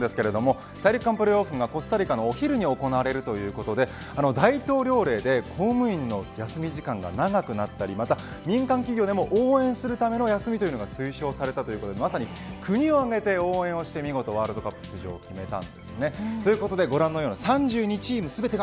大陸間プレーオフはコスタリカのお昼に行われるということで大統領令で、公務員の休み時間が長くなったりまた民間企業でも応援するための休みが推奨されたということで国を挙げて応援して見事、ワールドカップ出場を決めました。